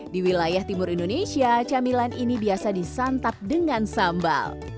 di wilayah timur indonesia camilan ini biasa disantap dengan sambal